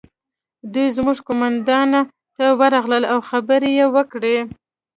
دوی زموږ قومندان ته ورغلل او خبرې یې وکړې